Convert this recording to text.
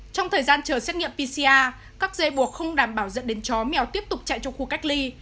trong thời gian chờ xét nghiệm pcr các dây buộc không đảm bảo dẫn đến chó mèo tiếp tục chạy trong khu cách ly